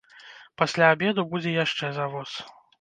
Пасля абеду будзе яшчэ завоз.